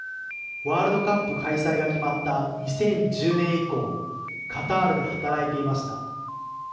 ワールドカップ開催が決まった２０１０年以降、カタールで働いていました。